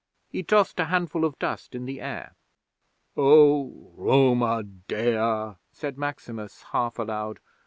He tossed a handful of dust in the air. '"Oh, Roma Dea!" said Maximus, half aloud.